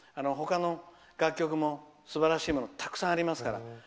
ほかの楽曲もすばらしいものがたくさんありますから。